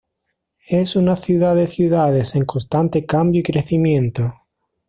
Es una ciudad de ciudades en constante cambio y crecimiento.